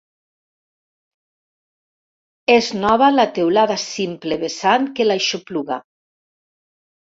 És nova la teulada simple vessant que l'aixopluga.